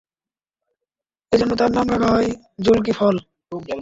এজন্যে তার নাম রাখা হয় যুল-কিফল।